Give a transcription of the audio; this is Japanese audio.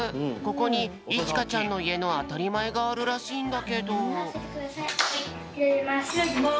ここにいちかちゃんのいえのあたりまえがあるらしいんだけど。